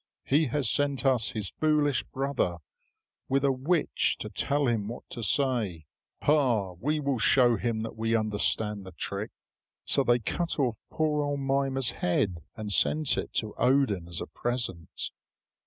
"He has sent us his foolish brother with a witch to tell him what to say. Ha! We will show him that we understand the trick." So they cut off poor old Mimer's head and sent it to Odin as a present.